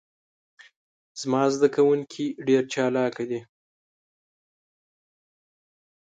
زما ذده کوونکي ډیر چالاکه دي.